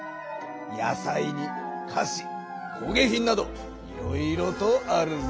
野さいにかし工げい品などいろいろとあるぞ。